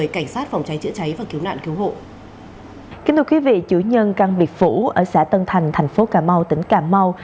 kính thưa quý vị chủ nhân căng biệt phủ ở xã tân thành thành phố cà mau tỉnh cà mau